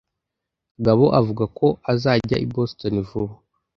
Gabo avuga ko azajya i Boston vuba.